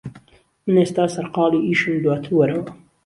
من ئیستا سەرقاڵی ئیشم دواتر وەرەوە